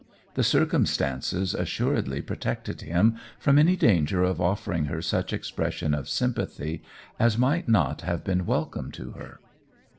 The circumstances assuredly protected him from any danger of offering her such expression of sympathy as might not have been welcome to her.